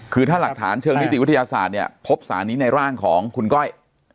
คือถ้าหลักฐานเชิงนิติวิทยาศาสตร์เนี่ยพบสารนี้ในร่างของคุณก้อย